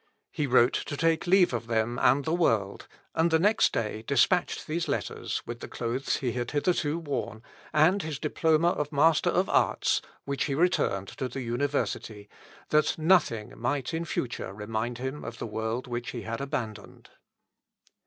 He wrote to take leave of them and the world, and the next day despatched these letters, with the clothes he had hitherto worn, and his diploma of Master of Arts, which he returned to the university, that nothing might in future remind him of the world which he had abandoned.